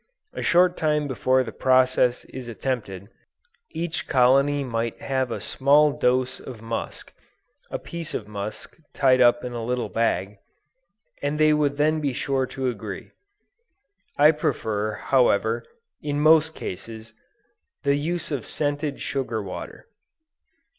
A short time before the process is attempted, each colony might have a small dose of musk (a piece of musk tied up in a little bag,) and they would then be sure to agree. I prefer, however, in most cases, the use of scented sugar water.